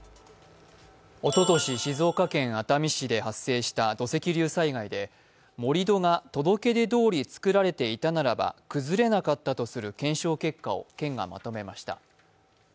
おととし、静岡県熱海市で発生した土石流災害で盛り土が届け出どおり造られていたならば崩れなかったとする検証結果を県がまとめました。